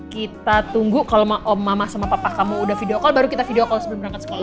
kita tunggu kalau mama sama papa kamu udah video call baru kita video kalau sebelum berangkat sekolah